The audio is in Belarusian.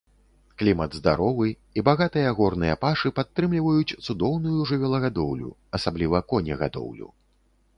Клімат здаровы, і багатыя горныя пашы падтрымліваюць цудоўную жывёлагадоўлю, асабліва конегадоўлю.